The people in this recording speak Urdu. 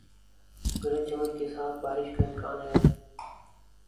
گرج چمک کے ساتھ بارش کا امکان ہے